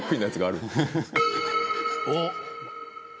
おっ！